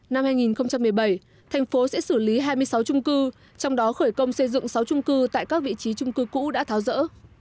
năm hai nghìn một mươi bảy thành phố sẽ xử lý hai mươi sáu trung cư trong đó khởi công xây dựng sáu trung cư tại các vị trí trung cư cũ đã tháo rỡ